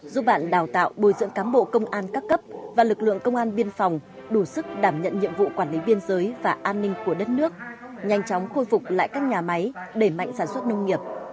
giúp bạn đào tạo bồi dưỡng cán bộ công an các cấp và lực lượng công an biên phòng đủ sức đảm nhận nhiệm vụ quản lý biên giới và an ninh của đất nước nhanh chóng khôi phục lại các nhà máy đẩy mạnh sản xuất nông nghiệp